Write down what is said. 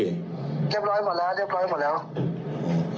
แล้วนี่พี่เคลียร์กับตรงการป๊อปพี่คร้าบพี่เรียบร้อยหมดแล้ว